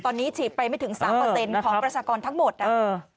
ตอนนี้ฉีดไปไม่ถึง๓ของประชากรทั้งหมดนะ